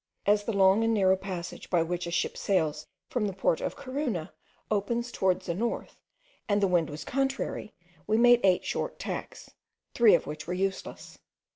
As the long and narrow passage by which a ship sails from the port of Corunna opens towards the north, and the wind was contrary, we made eight short tacks, three of which were useless.